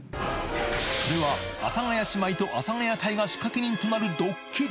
それは、阿佐ヶ谷姉妹と阿佐ヶ谷隊が仕掛け人となるドッキリ。